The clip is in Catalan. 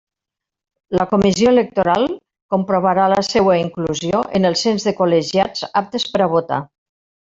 La Comissió electoral comprovarà la seua inclusió en el cens de col·legiats aptes per a votar.